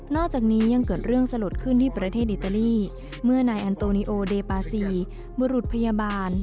จากนี้ยังเกิดเรื่องสลดขึ้นที่ประเทศอิตาลีเมื่อนายอันโตนิโอเดปาซีบุรุษพยาบาล